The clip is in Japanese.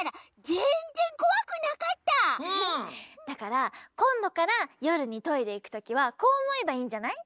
だからこんどからよるにトイレいくときはこうおもえばいいんじゃない？